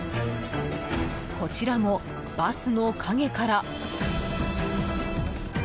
こちらもバスの陰から。